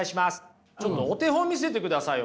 ちょっとお手本見せてくださいよ